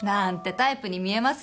タイプに見えます？